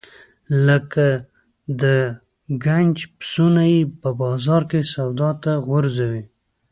لکه د ګنج پسونه یې په بازار کې سودا ته غورځوي.